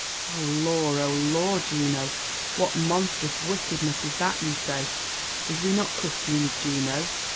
'*0 Lorl Lor! Jtino,«^what monstrous wiekedness is that you say! Is we not Christians, Juno?